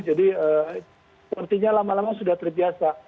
jadi artinya lama lama sudah terbiasa